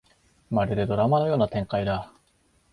まるでドラマのような展開だ